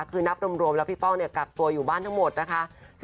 คือนับรวมแล้วพี่ป้องกักตัวอยู่บ้านทั้งหมดนะคะ